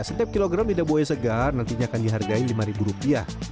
setiap kilogram lidah buaya segar nantinya akan dihargai lima rupiah